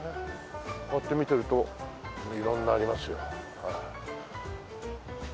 こうやって見てると色々ありますよ。